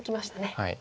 はい。